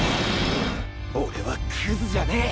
俺はクズじゃねえ！